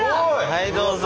はいどうぞ。